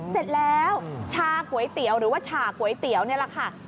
เสร็จแล้วชาก๋วยเตี๋ยวหรือว่าชาก๋วยเตี๋ยวนี่แหละค่ะ